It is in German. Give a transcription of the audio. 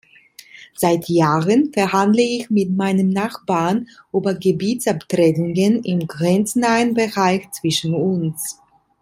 Seit Jahren verhandle ich mit meinem Nachbarn über Gebietsabtretungen im grenznahen Bereich zwischen uns.